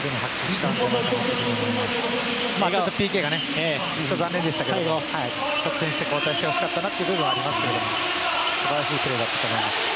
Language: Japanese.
ちょっとＰＫが残念でしたけども得点して交代してほしかったなというのもありますが素晴らしいプレーだったと思います。